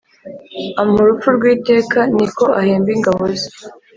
ampa urupfu rw’iteka niko ahemba ingaboze